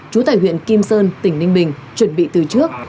chú tài huyện kim sơn tỉnh ninh bình chuẩn bị từ trước